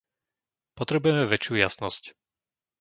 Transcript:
Potrebujeme väčšiu jasnosť.